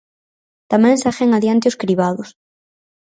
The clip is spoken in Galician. Tamén seguen adiante os cribados.